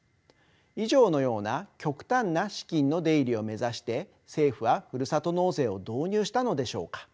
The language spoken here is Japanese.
以上のような極端な資金の出入りを目指して政府はふるさと納税を導入したのでしょうか。